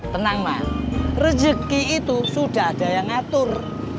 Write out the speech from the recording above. tenang mas rezeki itu sudah ada yang ngatur